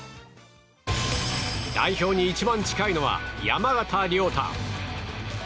代表に一番近いのは山縣亮太。